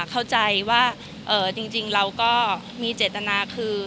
เข้าใจว่าจริงเราก็มีเจตนาคือ